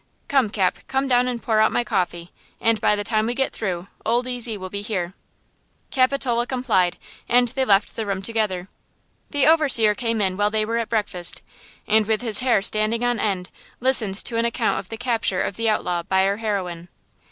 Come, Cap, come down and pour out my coffee, and by the time we get through, Old Ezy will be here." Capitola complied, and they left the room together. The overseer came in while they were at breakfast, and with his hair standing on end, listened to the account of the capture of the outlaw by our heroine.